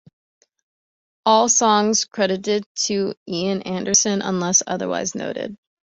All songs credited to Ian Anderson, unless otherwise noted.